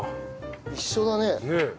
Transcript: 一緒だね。